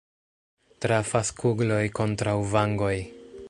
Trafas kugloj kontraŭ vangoj.